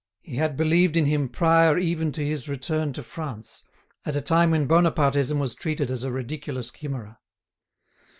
He had believed in him prior even to his return to France, at a time when Bonapartism was treated as a ridiculous chimera.